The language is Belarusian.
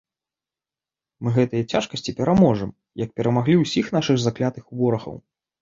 Мы гэтыя цяжкасці пераможам, як перамаглі ўсіх нашых заклятых ворагаў.